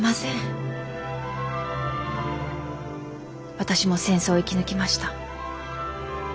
私も戦争を生き抜きました。